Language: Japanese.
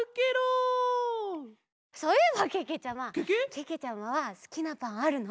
けけちゃまはすきなパンあるの？